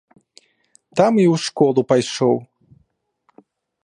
Там і ў школу пайшоў.